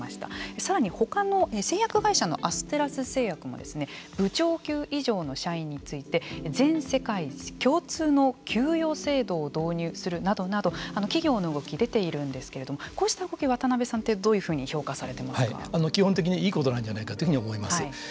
さらに他の製薬会社のアステラス製薬も部長級以上の社員について全世界共通の給与制度を導入するなどなど企業の動き出ているんですけれどもこうした動き渡辺さんってどういうふうに基本的にいいことなんじゃないかというふうに思います。